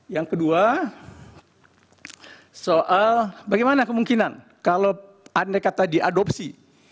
yang kedua soal bagaimana kemungkinan kalau andai kata diadopsi